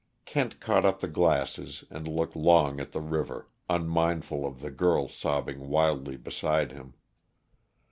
Kent caught up the glasses and looked long at the river, unmindful of the girl sobbing wildly beside him.